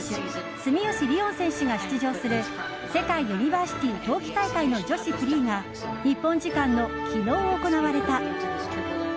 住吉りをん選手が出場する世界ユニバーシティ冬季大会の女子フリーが日本時間の昨日行われた。